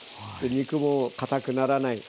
肉もかたくならない。